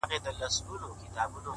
په دې پردي وطن كي,